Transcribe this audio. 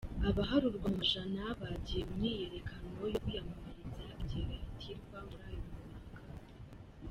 Abaharurwa mu majana bagiye mu myiyerekano yo kumwiyamiriza igihe yatirwa mur'ayo mabanga.